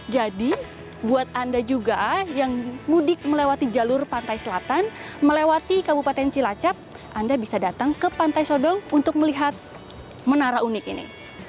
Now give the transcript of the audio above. jadi buat anda juga yang mudik melewati jalur pantai selatan melewati kabupaten cilacap anda bisa datang ke pantai sodong untuk melihat menara unik ini